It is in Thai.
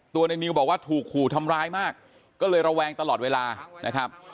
ในนิวบอกว่าถูกขู่ทำร้ายมากก็เลยระแวงตลอดเวลานะครับ